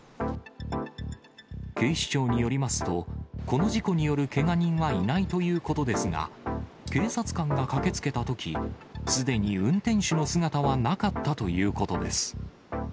警視庁によりますと、この事故によるけが人はいないということですが、警察官が駆けつけたとき、すでに運転手の姿はなかったということです。